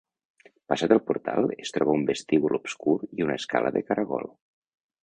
Passat el portal es troba un vestíbul obscur i una escala de caragol.